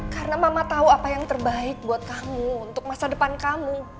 karena mama tau apa yang terbaik buat kamu untuk masa depan kamu